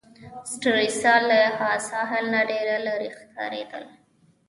سټریسا له ساحل نه ډېره لیري ښکاریدل.